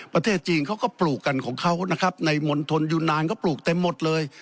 ประเทศจีนเขาก็ปลูกกันของเขานะครับในมณฑลยูนานเขาปลูกเต็มหมดเลย